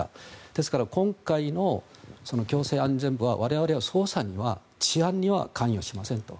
ですから、今回の行政安全部は我々は捜査には治安には関与しませんと。